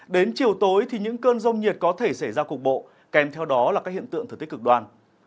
đến chiều tối thì những cơn rông nhiệt có thể xảy ra cục bộ kèm theo đó là các hiện tượng thời tiết cực đoan